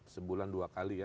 sebulan dua kali